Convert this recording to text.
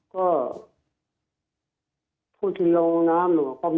ก็ผู้ที่ลงน้ำหลวงก็มี